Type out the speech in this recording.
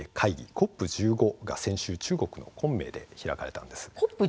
ＣＯＰ１５が先週中国の昆明で開かれたんです。